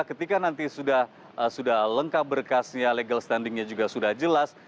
ketika nanti sudah lengkap berkasnya legal standingnya juga sudah jelas